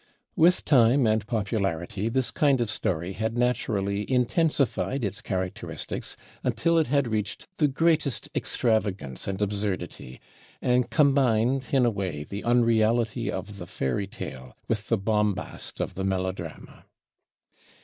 With time and popularity this kind of story had naturally intensified its characteristics until it had reached the greatest extravagance and absurdity, and combined in a way the unreality of the fairy tale with the bombast of the melodrama.